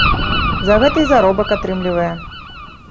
За гэта і заробак атрымлівае.